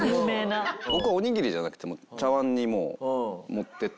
僕はおにぎりじゃなくて茶わんにもう盛って行って。